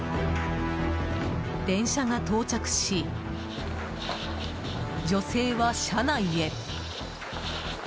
電車が到着し、女性は車内へ。